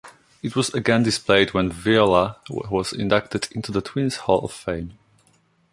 It was again displayed when Viola was inducted into the Twins Hall of Fame.